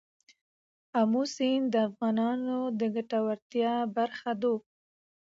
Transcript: آمو سیند د افغانانو د ګټورتیا برخه ده.